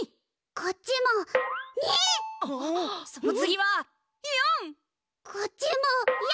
こっちも４！